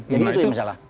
jadi itu yang masalah